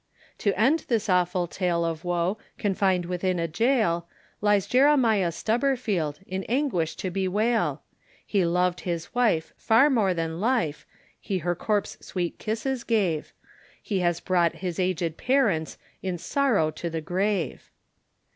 To end this dreadful tale of woe, Confined within a gaol, Lies Jeremiah Stubberfield, In anguish to bewail; He loved his wife, far more than life, He her corpse sweet kisses gave, He has brought his aged parents, In sorrow to the grave.